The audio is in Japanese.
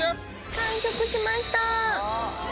完食しました。